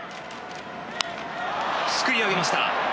すくい上げました。